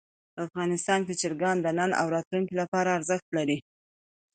افغانستان کې چرګان د نن او راتلونکي لپاره ارزښت لري.